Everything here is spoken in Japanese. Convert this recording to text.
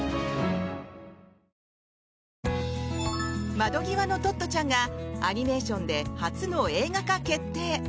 「窓ぎわのトットちゃん」がアニメーションで初の映画化決定。